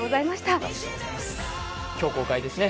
今日公開ですね。